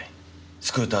スクーター